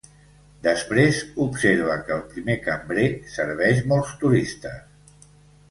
Després observa que el primer cambrer serveix molts turistes.